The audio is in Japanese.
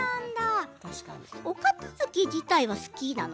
お片づけ自体は好きなの？